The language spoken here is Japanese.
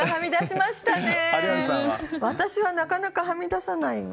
私はなかなかはみ出さないの。